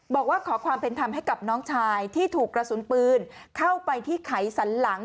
บอกว่าขอความเป็นธรรมให้กับน้องชายที่ถูกกระสุนปืนเข้าไปที่ไขสันหลัง